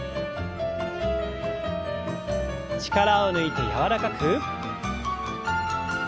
力を抜いて柔らかく。